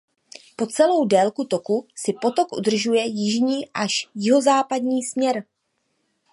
Po celou délku toku si potok udržuje jižní až jihozápadní směr.